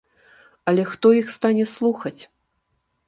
Але хто іх стане слухаць?